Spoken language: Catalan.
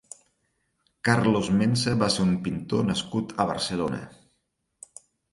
Carlos Mensa va ser un pintor nascut a Barcelona.